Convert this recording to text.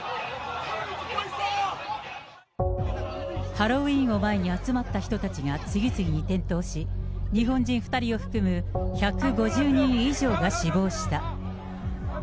ハロウィーンを前に集まった人たちが次々に転倒し、日本人２人を含む１５０人以上が死亡した。